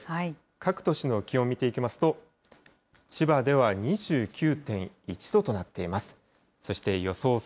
各都市の気温見ていきますと、千葉では２９．１度となっています。